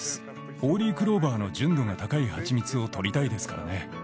ホーリークローバーの純度が高い蜂蜜を採りたいですからね。